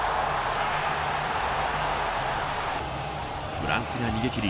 フランスが逃げ切り